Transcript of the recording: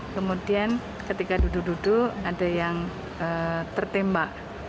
kemudian ketika duduk duduk ada yang tertembak